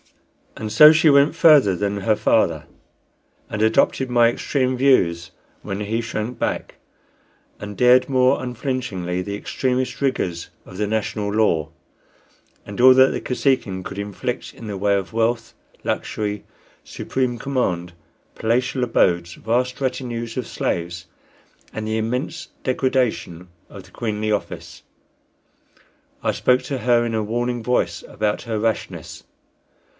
And so she went further than her father, and adopted my extreme views when he shrank back, and dared more unflinchingly the extremest rigors of the national law, and all that the Kosekin could inflict in the way of wealth, luxury, supreme command, palatial abodes, vast retinues of slaves, and the immense degradation of the queenly office. I spoke to her in a warning voice about her rashness.